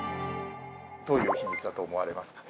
どういう秘密だと思われますか？